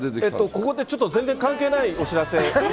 ここでちょっと全然関係ないお知らせ。